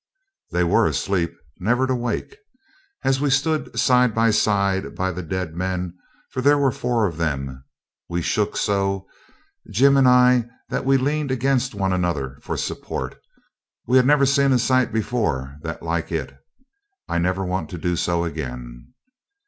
They were asleep, never to wake. As we stood side by side by the dead men, for there were four of them, we shook so, Jim and I, that we leaned against one another for support. We had never seen a sight before that like it. I never want to do so again.